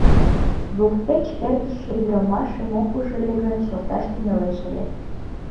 Воктеч эртыше ӱдырамашым ок уж ыле гын, шорташ тӱҥалеш ыле.